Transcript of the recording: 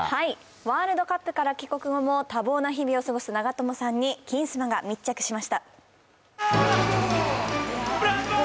ワールドカップ帰国後も多忙な日々を過ごす長友さんに「金スマ」が密着しました。